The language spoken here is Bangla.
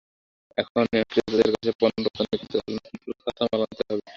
এখন ক্রেতাদের কাছে পণ্য রপ্তানি করতে হলে নতুন করে কাঁচামাল আনতে হবে।